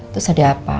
terus ada apa